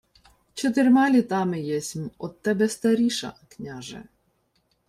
— Чотирма літами єсмь од тебе старіша, княже.